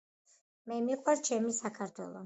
მე მიყვარს ჩემი საქართველო